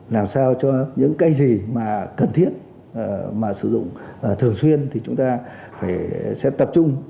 làm sao cho những cái gì mà cần thiết mà sử dụng thường xuyên thì chúng ta phải tập trung